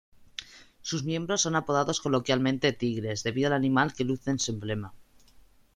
Sus miembros son apodados coloquialmente "tigres" debido al animal que luce en su emblema.